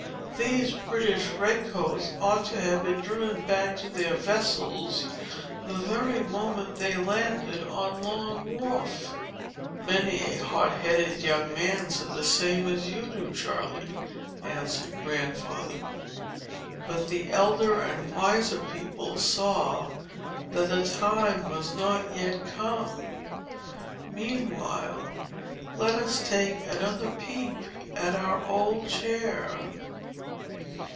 These British red coats ought to have been driven back to their vessels, the very moment they landed on Long Wharf." "Many a hot headed young man said the same as you do, Charley," answered Grandfather. "But the elder and wiser people saw that the time was not yet come. Meanwhile, let us take another peep at our old chair."